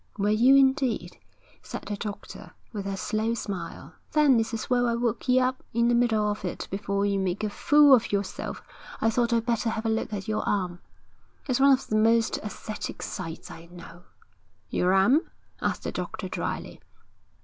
'Were you indeed?' said the doctor, with a slow smile. 'Then it's as well I woke ye up in the middle of it before ye made a fool of yourself. I thought I'd better have a look at your arm.' 'It's one of the most æsthetic sights I know.' 'Your arm?' asked the doctor, drily.